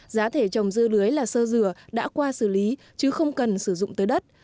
giá thể trồng dưa lưới là sơ dừa đã qua xử lý chứ không cần sử dụng tới đất